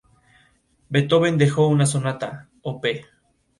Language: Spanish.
Este, para solucionar el asunto, envió al nuncio Mauricio, obispo y cardenal de Oporto.